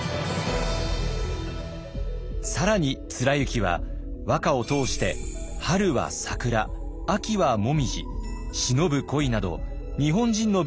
更に貫之は和歌を通して「春は桜」「秋は紅葉」「忍ぶ恋」など日本人の美意識を確立します。